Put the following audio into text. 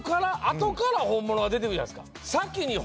後から本物が出てくるじゃないですか。